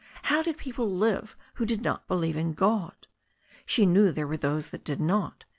How did people live who did not believe in God? She knew there were those who did not.